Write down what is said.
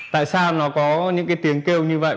tại sao nó có những cái tiếng kêu như vậy